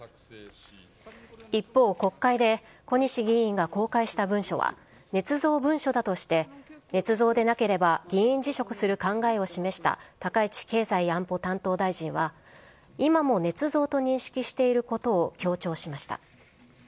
一方、国会で小西議員が公開した文書は、ねつ造文書だとして、ねつ造でなければ議員辞職する考えを示した高市経済安保担当大臣は、今もねつ造と認識していることを強調しました。